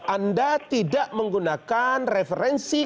anda tidak menggunakan referensi